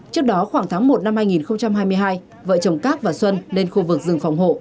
trước đó khoảng tháng một năm hai nghìn hai mươi hai vợ chồng cát và xuân lên khu vực rừng phòng hộ